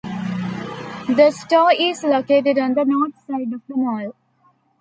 The store is located on the north side of the mall.